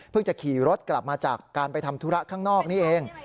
จะขี่รถกลับมาจากการไปทำธุระข้างนอกนี่เอง